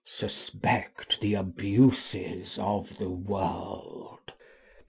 Suspect the abuses of the world.